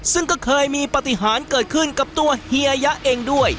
ซึ่งก็เคยมีปฏิหารเกิดขึ้นกับตัวเฮียยะเองด้วย